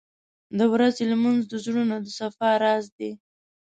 • د ورځې لمونځ د زړونو د صفا راز دی.